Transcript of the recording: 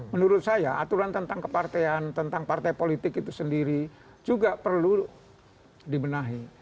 menurut saya aturan tentang kepartean tentang partai politik itu sendiri juga perlu dibenahi